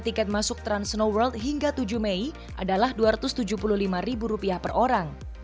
tiket masuk trans snow world hingga tujuh mei adalah rp dua ratus tujuh puluh lima per orang